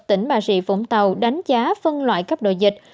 tỉnh bà địa phúng tàu đánh giá phân loại cấp độ dịch